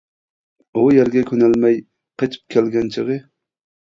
ئۇ يەرگە كۆنەلمەي قېچىپ كەلگەن چېغى.